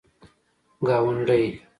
گاونډی